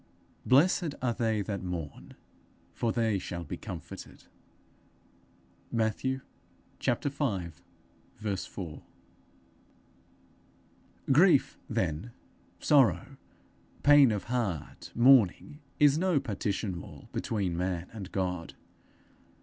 _ 'Blessed are they that mourn, for they shall be comforted.' Matthew v. 4. Grief, then, sorrow, pain of heart, mourning, is no partition wall between man and God.